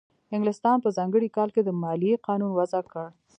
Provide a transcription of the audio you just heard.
انګلستان په ځانګړي کال کې د مالیې قانون وضع کړ.